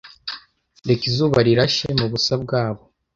reka izuba rirashe mubusa bwabo